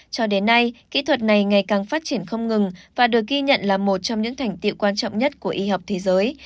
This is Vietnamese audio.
cho đến nay kỹ thuật này ngày càng phát triển không ngừng và được ghi nhận là một trong những thành tiệu quan trọng nhất của y học thế giới